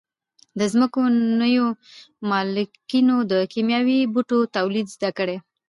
د ځمکو نویو مالکینو د کیمیاوي بوټو تولید زده کړ.